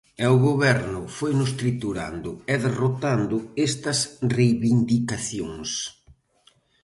E o Goberno foinos triturando e derrotando estas reivindicacións.